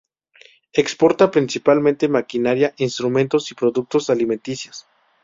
Exporta principalmente maquinaria, instrumentos y productos alimenticios.